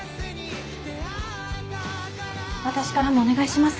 私からもお願いします。